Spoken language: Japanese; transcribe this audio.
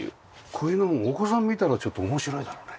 こういうのもお子さんが見たらちょっと面白いだろうね。